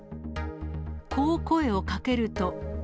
こう声をかけると。